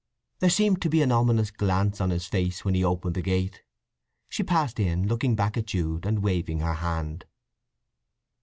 There seemed to be an ominous glance on his face when he opened the gate. She passed in, looking back at Jude, and waving her hand.